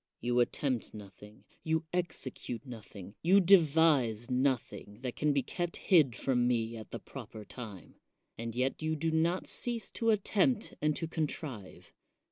You attempt nothing, you execute nothing, you devise nothing that can be kept hid from me at the proper time ; and yet you do not cease to attempt and to contrive.